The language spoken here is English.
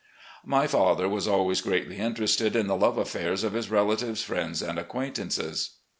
My father was always greatly interested in the love affairs of his relatives, friends, and acquaintances.